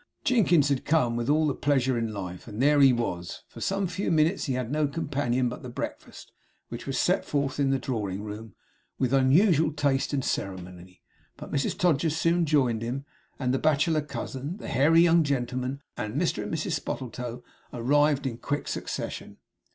Jinkins had come with all the pleasure in life, and there he was. For some few minutes he had no companion but the breakfast, which was set forth in the drawing room, with unusual taste and ceremony. But Mrs Todgers soon joined him; and the bachelor cousin, the hairy young gentleman, and Mr and Mrs Spottletoe, arrived in quick succession.